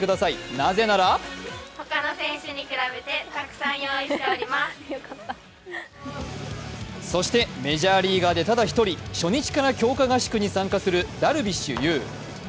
なぜならそしてメジャーリーガーでただ一人、初日から強化合宿に参加するダルビッシュ有。